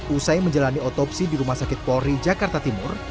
usai menjalani otopsi di rumah sakit polri jakarta timur